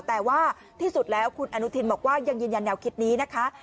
แต่ว่าที่สุดแล้วคุณอนุทินบอกว่ายังยืนยันแนวคิดนี้นะคะ